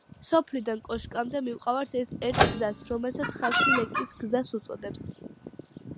სოფლიდან კოშკამდე მივყავართ ერთ გზას, რომელსაც ხალხი „ლეკის გზას“ უწოდებს.